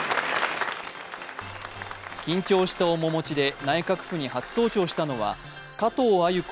緊張した面持ちで内閣府に初登庁したのは、加藤鮎子